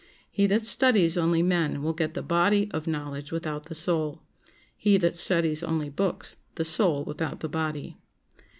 He that studies only men will get the body of knowledge without the soul; he that studies only books, the soul without the body.